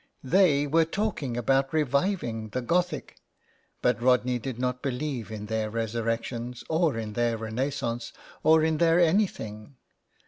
They were talking about reviving the Gothic, but Rodney did not believe in their resurrections or in their renaissance, or in their anything.